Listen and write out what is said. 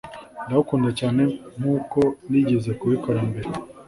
ndagukunda cyane nkuko nigeze kubikora mbere